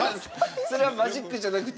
それはマジックじゃなくて。